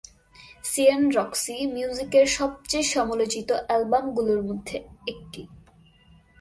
Serene Roxy মিউজিকের সবচেয়ে সমালোচিত অ্যালবামগুলোর মধ্যে একটি।